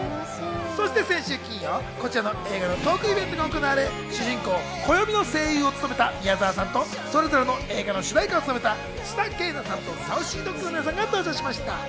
先週金曜、こちらの映画のトークイベントが行われ、主人公・暦の声優を務めた宮沢さんと、それぞれの映画の主題歌を務めた須田景凪さんとＳａｕｃｙＤｏｇの皆さんが登場しました。